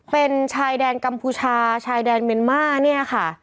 เป็นชายแดนกัมพูชาชายแดนเมียนมาร์เนี่ยค่ะ